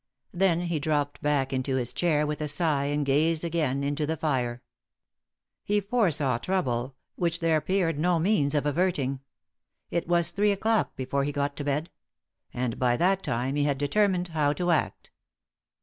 Then he dropped back into his chair with a sigh and gazed a again into the fire. He foresaw trouble, which there appeared no means of averting. It was three o'clock before he got to bed. And by that time he had determined how to act.